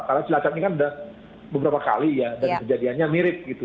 karena cilacap ini kan sudah beberapa kali ya dan kejadiannya mirip gitu